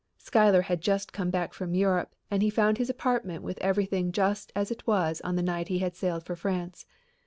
Schuyler had just come back from Europe and he found his apartment with everything just as it was on the night he had sailed for France.